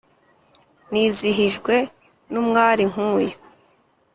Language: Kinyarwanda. nizihijwe n’umwali nkuyu